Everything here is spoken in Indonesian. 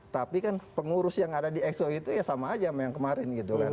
tapi kan pengurus yang ada di exo itu ya sama aja sama yang kemarin gitu kan